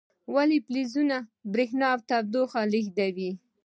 ولې فلزونه برېښنا او تودوخه لیږدوي؟